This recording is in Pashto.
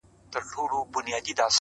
همېشه پر حیوانانو مهربان دی,